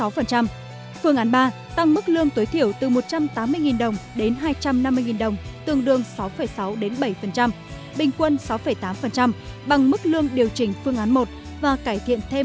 phương án ba tăng mức lương tối thiểu từ một trăm tám mươi đồng tương đương năm chín đến sáu hai bình quân sáu